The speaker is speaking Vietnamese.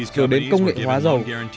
từ đến công nghệ hóa dầu